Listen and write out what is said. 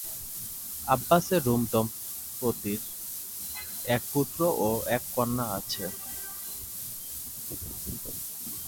আব্বাস-এরুম দম্পতির এক পুত্র ও এক কন্যা আছে।